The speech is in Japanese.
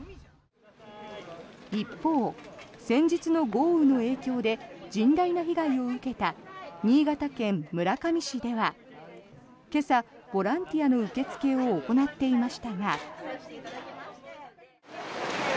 一方、先日の豪雨の影響で甚大な被害を受けた新潟県村上市では今朝、ボランティアの受け付けを行っていましたが。